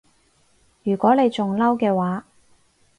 如果你仲嬲嘅話